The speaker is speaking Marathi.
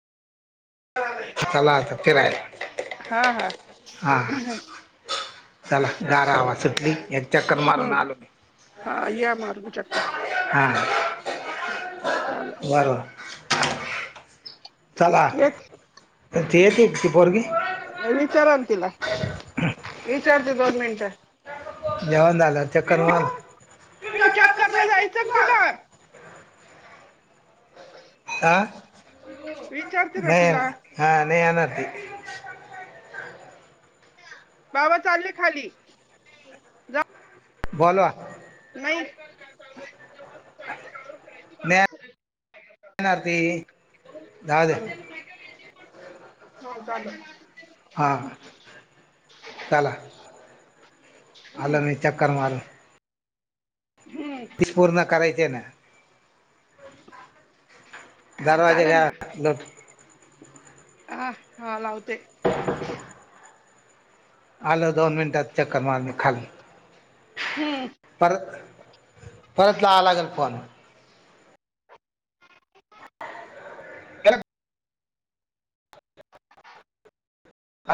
चला आता फीराय. हा हा. चला गार हवा सुटली एक चक्कर हम्म मारून आलो मी. हा या मारून चक्कर बरं. एक ते येते ती पोरगी विचारान तिला. विचारते दोन मिनिट. जेवण झालं. चक्कर पीऊ, मार पीऊ चक्करला जायचं का तुला? हां विचारते ना नय, तिला हां नाही यनार ती. बाबा चालले खाली. बोला. नाही. अ [unintelligible] [unintelligible] नाही येणार ती, जाऊद्या. चालल. हा. चला. हं, आलो मी चक्कर मारून. हं. तीच पूर्ण करायचे ना. हा, दरवाजा घ्या लोट. ह हा लावते. [inaudible] आलं दोन मिनिटात चक्कर मारुन मी खाली. हं. परत परत लावावा लागेल फोन. केला का?